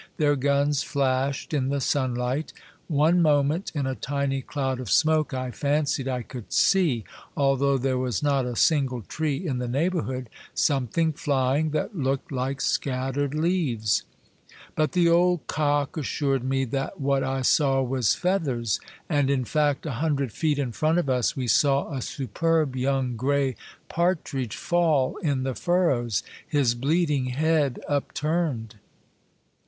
Their guns flashed in the sunlight. One moment, in a tiny cloud of smoke, I fancied I could see, although there was not a single tree in the neighborhood, something flying that looked like scattered leaves. But the old cock assured me 294 Monday Tales, that what I saw was feathers, and in fact, a hun dred feet in front of us we saw a superb young gray partridge fall in the furrows, his bleeding head upturned.